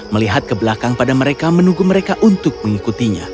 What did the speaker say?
melihat ke belakang pada mereka menunggu mereka untuk mengikutinya